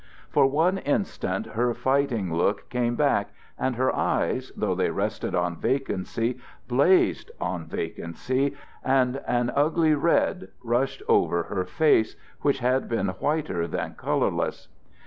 For one instant her fighting look came back and her eyes, though they rested on vacancy, blazed on vacancy and an ugly red rushed over her face which had been whiter than colorless.